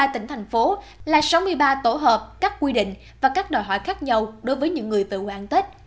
sáu mươi ba tỉnh thành phố là sáu mươi ba tổ hợp các quy định và các đòi hỏi khác nhau đối với những người về quê ăn tết